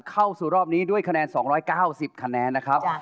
เข้าสู่รอบนี้ด้วยคะแนน๒๙๐คะแนนนะครับ